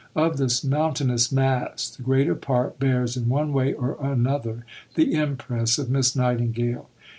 Of this mountainous mass, the greater part bears in one way or another the impress of Miss Nightingale.